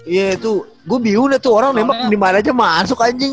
iya itu gue biu deh tuh orang nembak dimana aja masuk anjing